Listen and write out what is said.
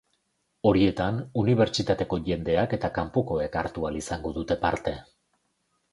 Horietan, unibertsitateko jendeak eta kanpokoek hartu ahal izango dute parte.